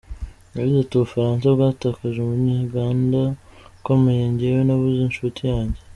Yagize ati “U Bufaransa bwatakaje umunyenganda ukomeye, njyewe nabuze inshuti yanjye.